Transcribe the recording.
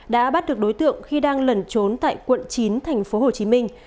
đã bắt được đối tượng khi đang lẩn trốn tại quận chín thành phố hồ chí minh